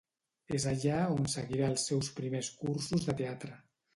És allà on seguirà els seus primers cursos de teatre.